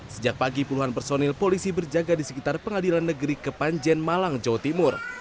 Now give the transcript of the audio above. sejak pagi puluhan personil polisi berjaga di sekitar pengadilan negeri kepanjen malang jawa timur